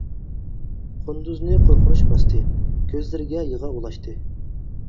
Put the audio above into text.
قۇندۇزنى قورقۇنچ باستى، كۆزلىرىگە يىغا ئولاشتى.